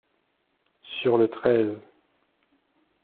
Sur le treize.